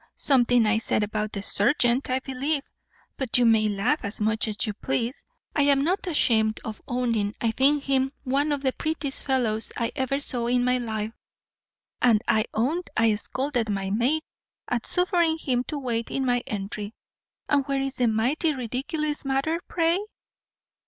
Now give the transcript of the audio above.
something I said about the serjeant, I believe; but you may laugh as much as you please; I am not ashamed of owning I think him one of the prettiest fellows I ever saw in my life; and, I own, I scolded my maid at suffering him to wait in my entry; and where is the mighty ridiculous matter, pray?"